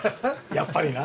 やっぱりな。